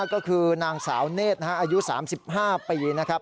ก็คือนางสาวเนธอายุ๓๕ปีนะครับ